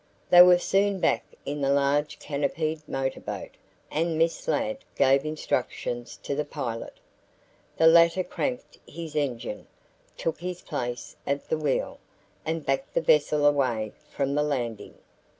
They were soon back in the large canopied motorboat, and Miss Ladd gave instructions to the pilot. The latter cranked his engine, took his place at the wheel, and backed the vessel away from the landing.